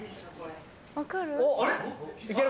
分かる？